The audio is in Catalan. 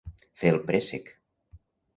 Fer el préssec.